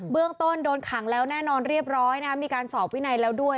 เรื่องต้นโดนขังแล้วแน่นอนเรียบร้อยมีการสอบวินัยแล้วด้วย